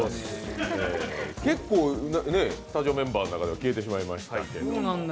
結構スタジオメンバーの中、消えてしまいましたんで。